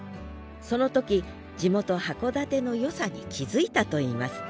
その時地元函館のよさに気付いたといいます